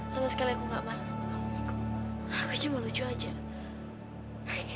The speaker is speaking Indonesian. sampai jumpa di video selanjutnya